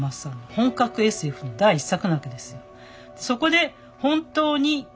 本格ＳＦの第１作なわけですよ。